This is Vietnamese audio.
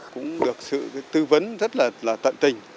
cũng được sự tư vấn rất là tận tình